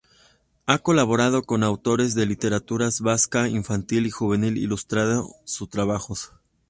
Ha colaborado con autores de literatura vasca infantil y juvenil ilustrando sus trabajos.